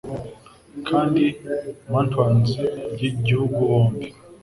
Kandi Mantuans byigihugu bombi